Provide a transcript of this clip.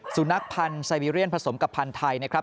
สุนักพันธุ์ไซเบีเรียนผสมกับพันธุ์ไทย